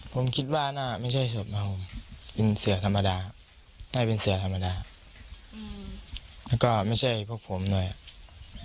ผมคิดว่าน่าไม่ใช่เสือเมาเป็นเสือธรรมดาน่าเป็นเสือธรรมดาอืมแล้วก็ไม่ใช่พวกผมด้วยอ่ะ